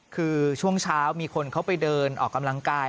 คือช่วงเช้ามีคนเขาไปเดินออกกำลังกาย